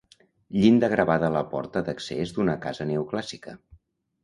Llinda gravada a la porta d'accés d'una casa neoclàssica.